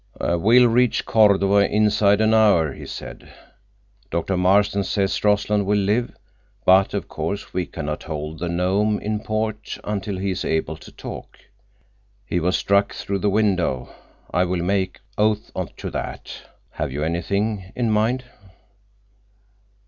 "We'll reach Cordova inside of an hour," he said. "Doctor Marston says Rossland will live, but of course we can not hold the Nome in port until he is able to talk. He was struck through the window. I will make oath to that. Have you anything—in mind?"